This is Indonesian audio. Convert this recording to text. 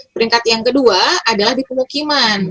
peringkat yang kedua adalah di pemukiman